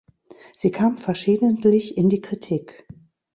Sie kam verschiedentlich in die Kritik.